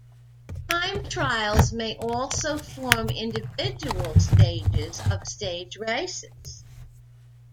Time trials may also form individual stages of stage races.